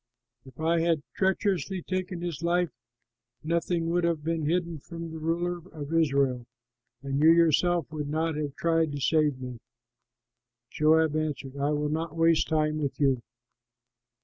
If I had treacherously taken his life, nothing would have been hidden from the ruler of Israel, and you yourself would not have tried to save me." Joab answered, "I will not waste time with you."